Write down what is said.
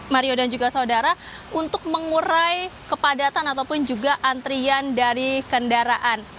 mario dan juga saudara untuk mengurai kepadatan ataupun juga antrian dari kendaraan